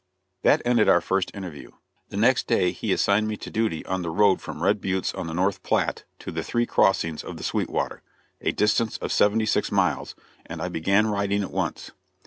That ended our first interview. The next day he assigned me to duty on the road from Red Buttes on the North Platte, to the Three Crossings of the Sweetwater a distance of seventy six miles and I began riding at once.